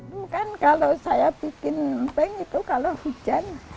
bukan kalau saya bikin empeng itu kalau hujan